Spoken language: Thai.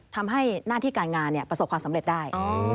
ทำให้หน้าที่การงานประสบความสำเร็จได้